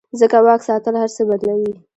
ځکه واک ساتل هر څه بدلوي.